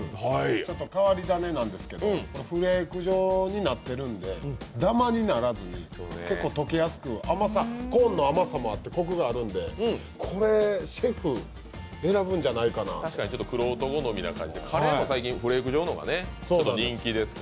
ちょっと変わり種なんですけど、フレーク状になっているので、だまにならずに結構溶けやすくコーンの甘さもあってこくもあるんでこれシェフ、選ぶんじゃないかなと確かに玄人的な感じがしますね。